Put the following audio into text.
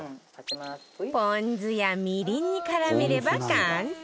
ポン酢やみりんに絡めれば完成